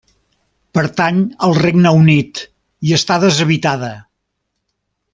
Pertany al Regne Unit i està deshabitada.